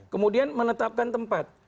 kemudian menetapkan tempat